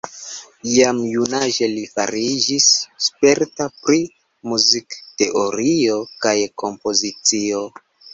Jam junaĝe li fariĝis sperta pri muzikteorio kaj kompozicio.